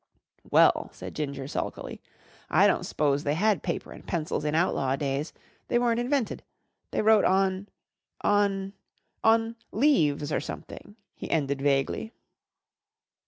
"Well," said Ginger sulkily, "I don't s'pose they had paper and pencils in outlaw days. They weren't invented. They wrote on on on leaves or something," he ended vaguely.